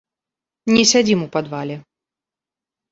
Не сядзім у падвале.